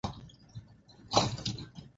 anaendana na kazi anayoifanya